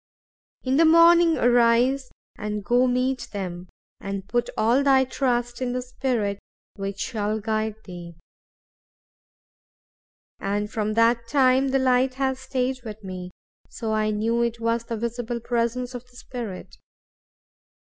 In the morning arise, and go meet them; and put all thy trust in the Spirit which shall guide thee.' "And from that time the light has stayed with me; so I knew it was the visible presence of the Spirit.